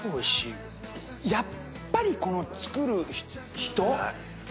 やっぱりこの作る人？